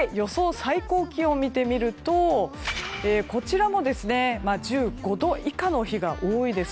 最高気温を見てみるとこちらも１５度以下の日が多いです。